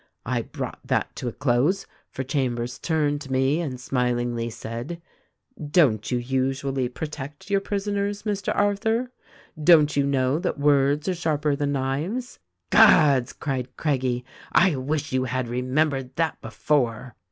I brought that to a close, for Chambers turned to me and smilingly said, 'Don't you usually protect your prisoners, Mr. Arthur? Don't you know that words are sharper than knives ? T " 'Gods !' cried Craggie, T wish you had remembered that before.'